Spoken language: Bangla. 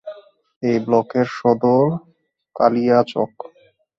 এই ব্লকের সদর কালিয়াচক।